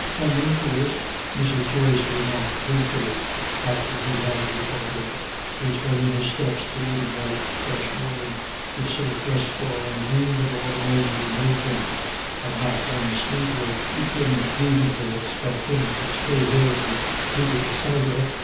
"And in coorse," Mrs. Joyce remarked ruefully, after he had departed, retreading his steps through the bright fresh morning with so crestfallen a mien that all the neighbours knew things had not run smoothly, "you couldn't raisonably expec' him to stay here to be hated the sight of.